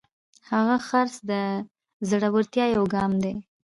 هر خرڅ د زړورتیا یو ګام دی.